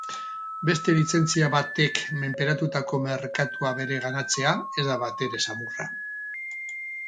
Beste lizentzia batek menperatutako merkatua bereganatzea ez da batere samurra.